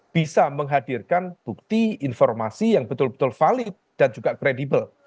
bisa menghadirkan bukti informasi yang betul betul valid dan juga kredibel